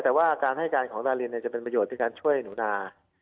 แต่ว่าการให้การของนารินจะเป็นประโยชน์ในการช่วยหนูนา